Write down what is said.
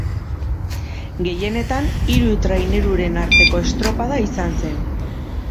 Gehienetan hiru traineruren arteko estropada izan zen.